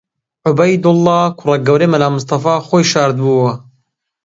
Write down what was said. عوبەیدوڵڵا، کوڕە گەورەی مەلا مستەفا خۆی شاردبۆوە